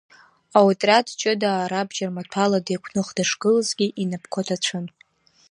Аотриад ҷыдаа рабџьармаҭәала деиқәных дышгылазгьы, инапқәа ҭацәын.